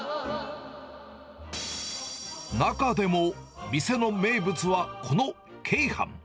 中でも、店の名物はこの鶏飯。